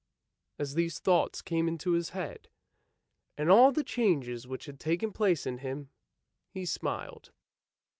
As these thoughts came into his head, and all the changes which had taken place in him, he smiled.